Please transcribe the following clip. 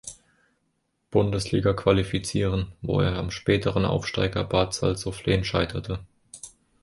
Bundesliga qualifizieren, wo er am späteren Aufsteiger Bad Salzuflen scheiterte.